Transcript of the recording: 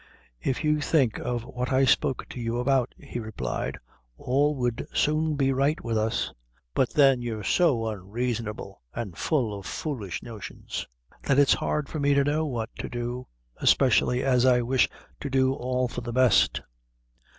"If you'd think of what I spoke to you about," he replied, "all would soon be right wid us; but then you're so unraisonable, an' full of foolish notions, that it's hard for me to know what to do, especially as I wish to do all for the best."